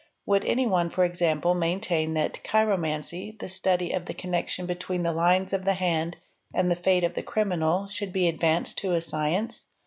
Would any f one for example maintain that chiromancy, the study of the connection between the lines of the hand and the fate of the criminal, should be advanced to a science?